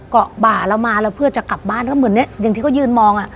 เกาะบ่าเรามาแล้วเพื่อจะกลับบ้านก็เหมือนอย่างที่เขายืนมอง